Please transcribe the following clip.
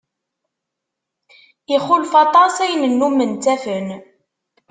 Ixulef aṭas ayen nnumen ttafen.